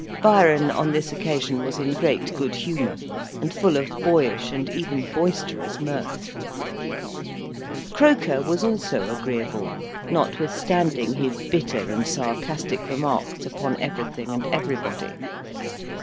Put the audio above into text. Byron, on this occasion, was in great good humour, and full of boyish and even boisterous mirth. Croker was also agreeable, notwithstanding his bitter and sarcastic remarks upon everything and everybody.